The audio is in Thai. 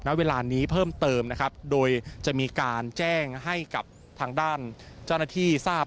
ณเวลานี้เพิ่มเติมนะครับโดยจะมีการแจ้งให้กับทางด้านเจ้าหน้าที่ทราบ